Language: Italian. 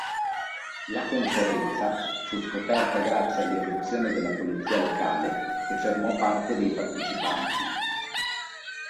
La conferenza fu scoperta grazie all'irruzione della polizia locale che fermò parte dei partecipanti.